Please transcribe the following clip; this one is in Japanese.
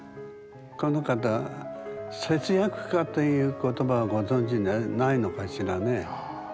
この方節約家という言葉はご存じないのかしらね。